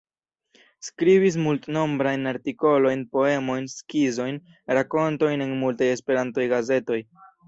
Skribis multnombrajn artikolojn, poemojn, skizojn, rakontojn en multaj Esperanto-gazetoj.